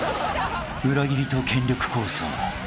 ［裏切りと権力抗争］